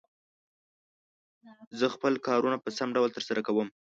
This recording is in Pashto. زه خپل کارونه په سم ډول تر سره کووم.